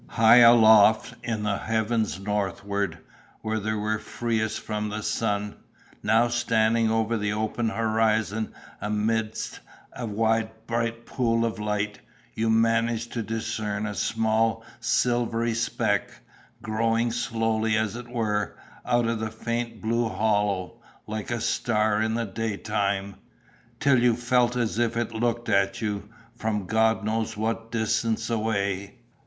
High aloft in the heavens northward, where they were freest from the sun—now standing over the open horizon amidst a wide bright pool of light—you managed to discern a small silvery speck, growing slowly, as it were, out of the faint blue hollow, like a star in the daytime, till you felt as if it looked at you, from God knows what distance away.